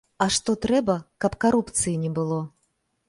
А што трэба, каб карупцыі не было?